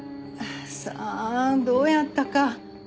さあどうやったか。